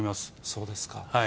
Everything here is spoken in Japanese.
そうですか。